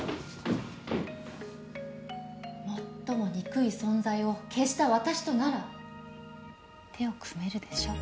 最も憎い存在を消した私となら手を組めるでしょ？